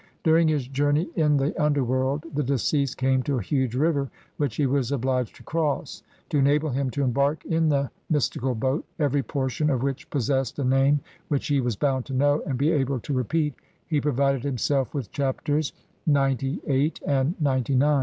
During his journey in the underworld the deceased came to a huge river which he was obliged to cross ; to enable him to embark in the mystical boat, every portion of which possessed a name which he was bound to know and be able to repeat, he provided himself with Chapters XCVIII and XCIX.